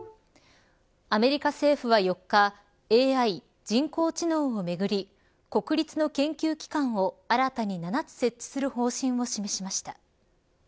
アメリカ政府は４日ＡＩ人工知能をめぐり国立の研究機関を新たに７つ設置する方針を示しました。